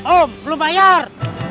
om belum bayar